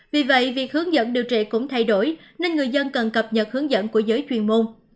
vì vậy việc hướng dẫn điều trị cũng thay đổi nên người dân cần cập nhật hướng dẫn của giới chuyên môn